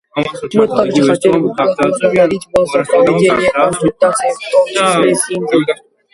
Мы также хотели бы поблагодарить вас за проведение консультаций, в том числе с Индией.